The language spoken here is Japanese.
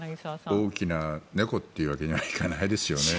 大きな猫というわけにはいかないですよね。